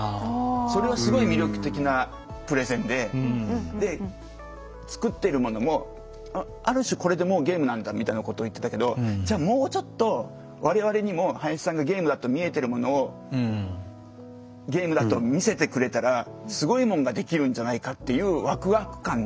それはすごい魅力的なプレゼンでで作っているものもある種これでもうゲームなんだみたいなことを言ってたけどじゃあもうちょっと我々にも林さんがゲームだと見えてるものをゲームだと見せてくれたらすごいもんができるんじゃないかっていうワクワク感ね。